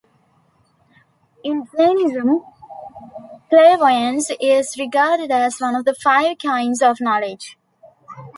In Jainism, clairvoyance is regarded as one of the five kinds of knowledge.